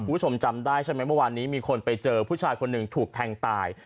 คุณผู้ชมจำได้ใช่ไหมเมื่อวานนี้มีคนไปเจอผู้ชายคนหนึ่งถูกแทงตาย